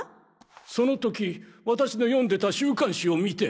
その時私の読んでた週刊誌を見て。